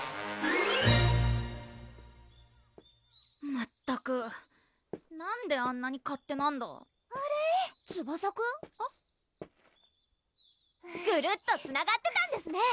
まったくなんであんなに勝手なんだ・あれ・・ツバサくん？・ぐるっとつながってたんですね！